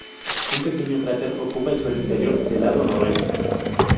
Un pequeño cráter ocupa el suelo interior del lado noroeste.